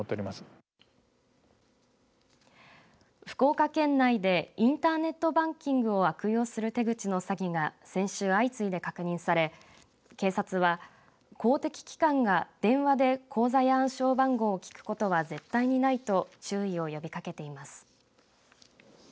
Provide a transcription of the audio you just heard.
福岡県内でインターネットバンキングを悪用する手口の詐欺が、先週相次いで確認され警察は、公的機関が電話で口座や暗証番号を聞くことは絶対にないと注意を呼びかけています。